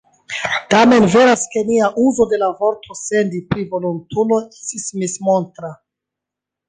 Tamen veras, ke nia uzo de la vorto "sendi" pri volontuloj estis mismontra.